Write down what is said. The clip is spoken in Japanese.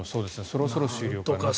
そろそろ終了かな。